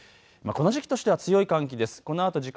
この時期としては強い寒気です。